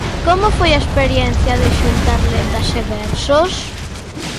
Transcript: Como foi a experiencia de xuntar lendas e versos?